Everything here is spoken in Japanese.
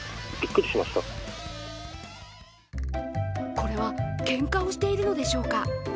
これはけんかをしているのでしょうか。